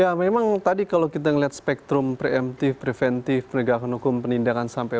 ya memang tadi kalau kita melihat spektrum preemptif preventif penegakan hukum penindakan sampai